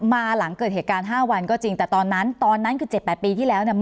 มาหลังเกิดเหตุการณ์๕วันก็จริงแต่ตอนนั้นตอนนั้นคือ๗๘ปีที่แล้วเนี่ย